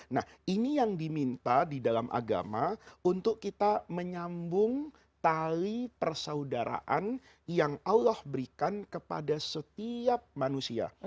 nah ini yang diminta di dalam agama untuk kita menyambung tali persaudaraan yang allah berikan kepada setiap manusia